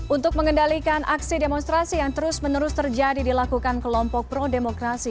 untuk mengendalikan aksi demonstrasi yang terus menerus terjadi dilakukan kelompok pro demokrasi